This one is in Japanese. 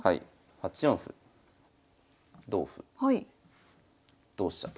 ８四歩同歩同飛車と。